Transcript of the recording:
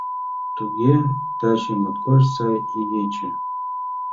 — Туге, таче моткоч сай игече.